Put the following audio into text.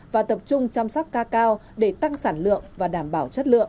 và tập trung chăm sóc ca cao để tăng sản lượng và đảm bảo chất lượng